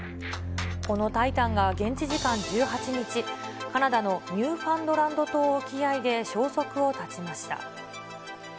このタイタンが現地時間１８日、カナダのニューファンドランド島沖合で消息を絶ちました。